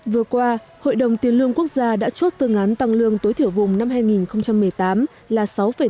vừa qua hội đồng tiền lương quốc gia đã chốt phương án tăng lương tối thiểu vùng năm hai nghìn một mươi tám là sáu bảy